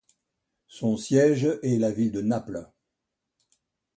Son siège est la ville de Naples.